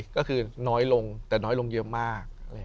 ก็คือน้อยลงแต่น้อยลงเยอะมาก